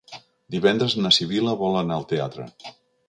Divendres na Sibil·la vol anar al teatre.